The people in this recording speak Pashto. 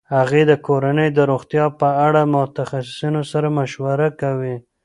هغې د کورنۍ د روغتیا په اړه د متخصصینو سره مشوره کوي.